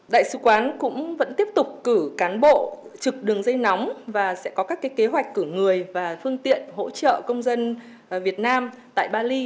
đại sứ quán cũng vẫn tiếp tục cử cán bộ trực đường dây nóng và sẽ có các kế hoạch cử người và phương tiện hỗ trợ công dân việt nam tại bali